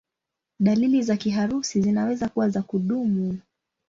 Dalili za kiharusi zinaweza kuwa za kudumu.